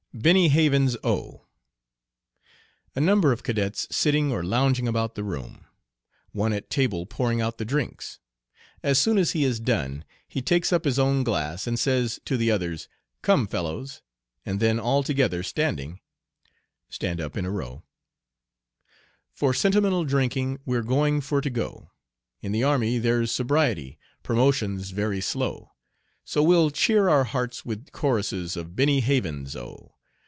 BENNY HAVENS O. [A number of cadets sitting or lounging about the room. One at table pouring out the drinks. As soon as he is done he takes up his own glass, and says to the others, "Come, fellows," and then all together standing:] Stand up in a row, For sentimental drinking we're going for to go; In the army there's sobriety, promotion's very slow, So we'll cheer our hearts with choruses of Benny Havens' O.